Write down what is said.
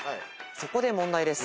そこで問題です。